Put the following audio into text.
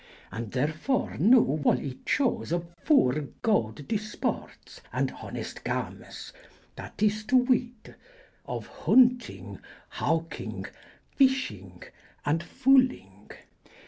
And therefore now woll I chose of foure good disportes and honest gamys, that is to wyte: of huntynge: hawkynge: fysshynge: and foulynge.